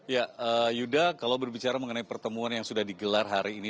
ya yuda kalau berbicara mengenai pertemuan yang sudah digelar hari ini